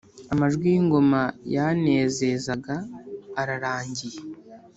Amajwi y’ingoma yanezezaga ararangiye,